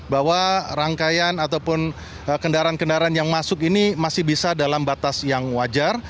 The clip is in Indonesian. bahwa rangkaian ataupun kendaraan kendaraan yang masuk ini masih bisa dalam batas yang wajar